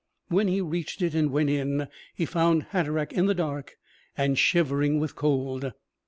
When he reached it and went in, he found Hatteraick in the dark and shivering with cold.